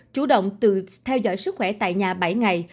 chủ động tự theo dõi sức khỏe tại nhà bảy ngày